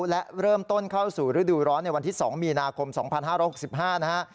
และเริ่มต้นเข้าสู่ฤดูร้อนในวันที่๒มีนาคม๒๕๖๕นะฮะ